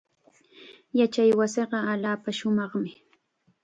Yachaywasiiqa allaapa shumaqmi.